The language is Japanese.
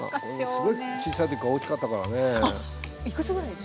すごい小さい時から大きかったからね。